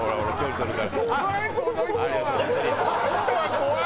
怖い。